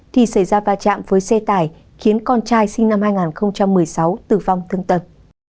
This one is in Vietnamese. thì xảy ra va chạm với xe tải khiến con trai sinh năm hai nghìn một mươi sáu tử vong thương tật